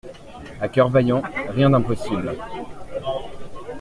A coeur vaillant, rien d'impossible